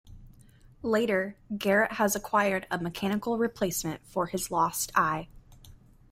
Later, Garrett has acquired a mechanical replacement for his lost eye.